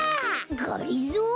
がりぞー？